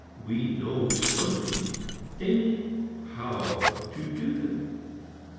We know something, namely, how to do them.